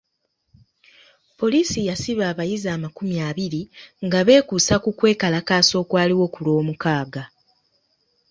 Poliisi yasiba abayizi amakumi abiri nga beekuusa ku kwe kalakaasa okwaliwo ku lwomukaaga.